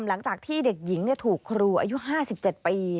หลังจากที่เด็กหญิงถูกครูอายุ๕๗ปี